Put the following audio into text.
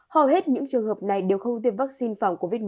hầu hết những trường hợp này đều không tiêm vaccine phòng covid một mươi chín